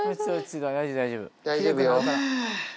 大丈夫よ。